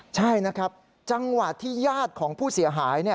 ใช่นะครับจังหวะที่ญาติของผู้เสียหาย